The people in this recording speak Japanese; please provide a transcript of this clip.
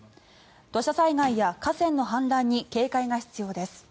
土砂災害や河川の氾濫に警戒が必要です。